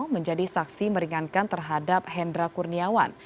menjadi saksi meringankan terhadap hendra kurniawan